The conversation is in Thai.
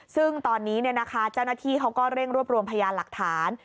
ซึ่งตอนนี้เจ้าหน้าที่เขาก็เร่งรวบรวมพยานหลักฐาน